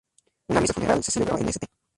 Una misa funeral se celebró en St.